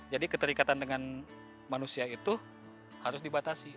jadi keterikatan dengan manusia itu harus dibatasi